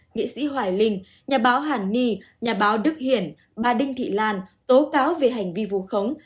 nghị sĩ hòa linh nhà báo hàn nhi nhà báo đức hiển bà đinh thị lan tố cáo về hành vi vụ khống